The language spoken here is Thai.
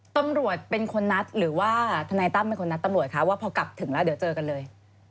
ตำรวจเป็นคนนัดหรือว่าทนายตั้มเป็นคนนัดตำรวจคะว่าพอกลับถึงแล้วเดี๋ยวเจอกันเลย